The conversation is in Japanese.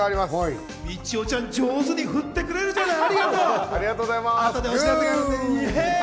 みちおちゃん、上手に振ってくれてるじゃない。